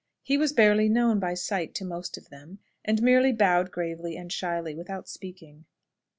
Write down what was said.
He was barely known by sight to most of them, and merely bowed gravely and shyly, without speaking.